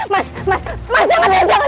mas mas mas jangan ya jangan